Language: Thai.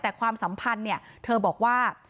แต่ความสัมพันธ์เนี่ยเธอบอกว่า